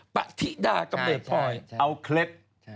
ปะธิดากำเนิดพลอยเอาเคล็ด